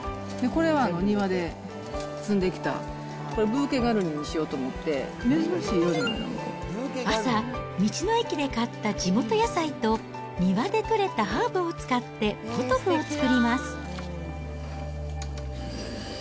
これは庭で摘んできた、これ、ブ朝、道の駅で買った地元野菜と、庭で採れたハーブを使って、ポトフを作ります。